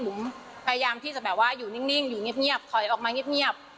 ผมพยายามที่จะแบบว่าอยู่นิ่งอยู่เงียบถอยออกมาเงียบ